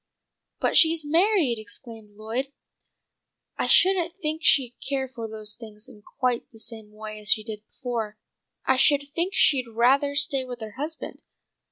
"But she's married!" exclaimed Lloyd. "I shouldn't think she'd care for those things in quite the same way as she did before. I should think she'd rather stay with her husband."